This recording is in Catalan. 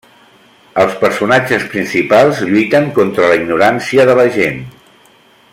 Els personatges principals lluiten contra la ignorància de la gent.